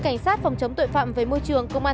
cảnh sát phòng chống tội phạm về môi trường công an